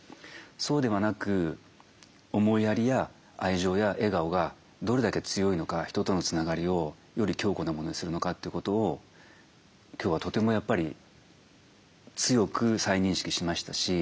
そうではなく思いやりや愛情や笑顔がどれだけ強いのか人とのつながりをより強固なものにするのかということを今日はとてもやっぱり強く再認識しましたし。